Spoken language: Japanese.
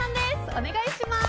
お願いします。